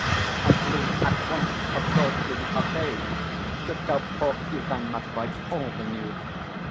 I flew at once, of course, to the Arcade to tell poor Ivan Matveitch all the news.